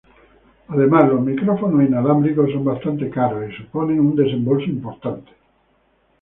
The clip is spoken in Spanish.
Además, los micrófonos inalámbricos son bastante caros y suponen un desembolso importante.